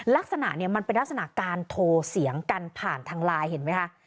ลักษณะเนี่ยมันเป็นลักษณะการโทรเสียงกันผ่านทางไลน์เห็นไหมคะ